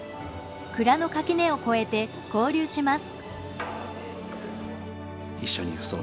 蔵の垣根を越えて交流します。